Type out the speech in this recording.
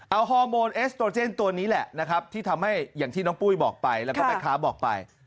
เอาฮอร์โมนเอสโตรเจนตัวนี้แหละนะครับที่ทำให้อย่างที่น้องปุ้ยบอกไปแล้วก็แม่ค้าบอกไป